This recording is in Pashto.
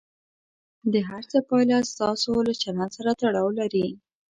د هر څه پایله ستاسو له چلند سره تړاو لري.